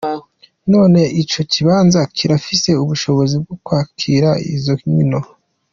None ico kibanza kirafise ubushobozi bwo kwakira izo nkino?.